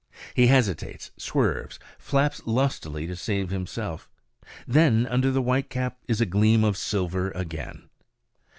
He hesitates, swerves, flaps lustily to save himself. Then under the whitecap is a gleam of silver again.